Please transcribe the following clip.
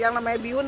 yang namanya bihun